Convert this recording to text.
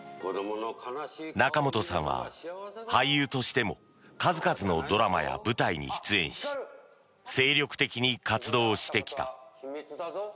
仲本さんは俳優としても数々のドラマや舞台に出演し精力的に活動してきた。